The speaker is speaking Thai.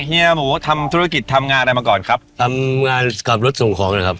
เฮียหมูทำธุรกิจทำงานอะไรมาก่อนครับทำงานขับรถส่งของนะครับ